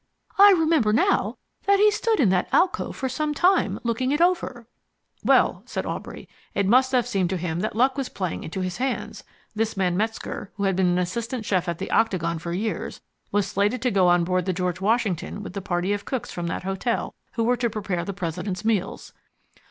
I remember now that he stood in that alcove for some time, looking over it." "Well," said Aubrey, "it must have seemed to him that luck was playing into his hands. This man Metzger, who had been an assistant chef at the Octagon for years, was slated to go on board the George Washington with the party of cooks from that hotel who were to prepare the President's meals.